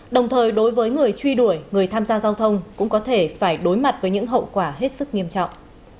đồng thời đối với người truy đuổi người tham gia giao thông cũng có thể phải đối mặt với những hậu quả hết sức nghiêm trọng